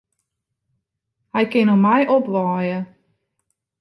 Hy kin om my opwaaie.